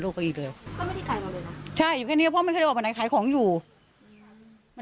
ล้างจานทำร้านอาหารตรงนี้